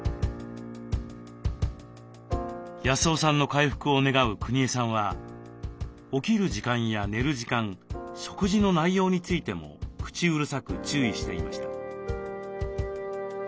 康雄さんの回復を願うくにえさんは起きる時間や寝る時間食事の内容についても口うるさく注意していました。